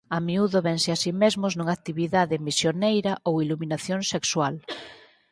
A miúdo vense a si mesmos nunha actividade "misioneira" ou "iluminación" sexual.